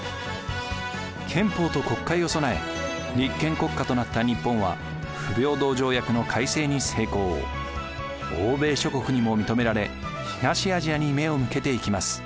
憲法と国会を備え立憲国家となった日本は欧米諸国にも認められ東アジアに目を向けていきます。